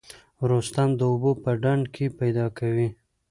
رستم د اوبو په ډنډ کې پیدا کوي.